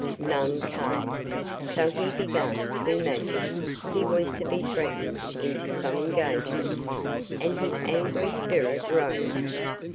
None came; so he began to imagine he was to be threatened into some engagement, and his angry spirit rose.